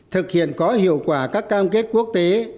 thực hiện có hiệu quả các cam kết quốc tế